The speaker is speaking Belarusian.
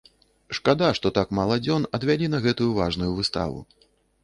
Шкада, што так мала дзён адвялі на гэтую важную выставу.